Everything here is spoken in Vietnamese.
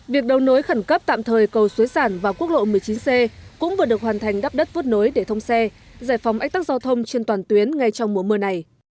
việc đầu nối khẩn cấp tạm thời cầu xuế sản và quốc lộ một mươi chín c cũng vừa được hoàn thành đắp đất vứt nối để thông xe giải phóng ách tắc giao thông trên toàn tuyến ngay trong mùa mưa này